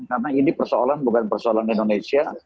karena ini persoalan bukan persoalan indonesia